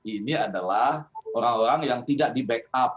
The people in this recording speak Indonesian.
ini adalah orang orang yang tidak di back up